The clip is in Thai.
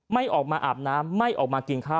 จนกระทั่งบ่าย๓โมงก็ไม่เห็นออกมา